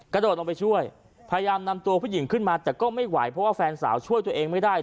กระโดดลงไปช่วยพยายามนำตัวผู้หญิงขึ้นมาแต่ก็ไม่ไหวเพราะว่าแฟนสาวช่วยตัวเองไม่ได้